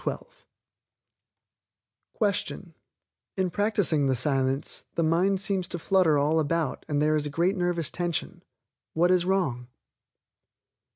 Question In practicing the Silence, the mind seems to flutter all about and there is great nervous tension. What is wrong?